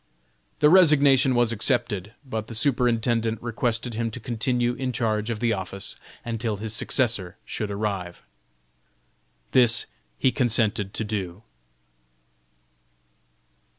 The resignation was accepted, but the superintendent requested him to continue in charge of the office until his successor should arrive. This he consented to do.